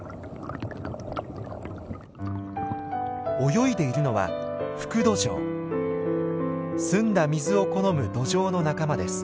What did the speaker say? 泳いでいるのは澄んだ水を好むドジョウの仲間です。